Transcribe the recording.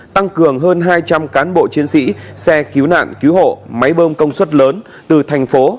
tăng cường hơn hai trăm linh cán bộ chiến sĩ xe cứu nạn cứu hộ máy bơm công suất lớn từ thành phố